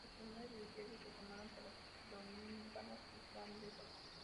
Las primeras religiosas se formaron con las dominicas irlandesas.